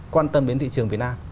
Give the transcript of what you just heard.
quan tâm đến thị trường việt nam